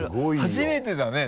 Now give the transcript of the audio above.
初めてだね。